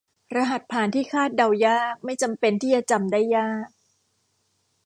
รหัสผ่านที่คาดเดายากไม่จำเป็นที่จะจำได้ยาก